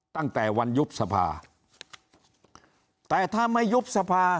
ตั้งแต่วันยุบสภาแต่ถ้าไม่ยุบสภา